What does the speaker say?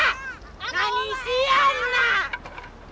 何しやんな！